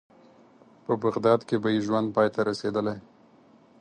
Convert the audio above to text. په بغداد کې به یې ژوند پای ته رسېدلی.